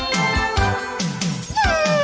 สวัสดีครับ